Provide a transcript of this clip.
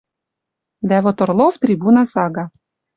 Дӓ вот Орлов трибуна сага